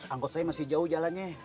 angkot saya masih jauh jalannya